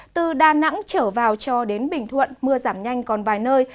từ đà nẵng trở vào cho đến bình thuận mưa giảm nhanh còn vài nơi